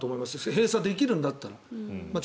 閉鎖できるんだったら。